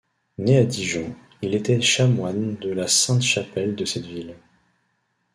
Né à Dijon, il était chanoine de la Sainte-Chapelle de cette ville.